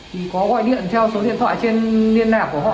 thì có gọi điện theo số điện thoại trên liên lạc của họ